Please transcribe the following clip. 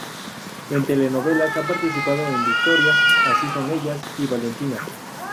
En telenovelas, ha participado en "Victoria", "Así son ellas" y "Valentina".